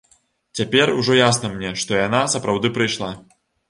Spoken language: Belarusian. Цяпер ужо ясна мне, што яна сапраўды прыйшла.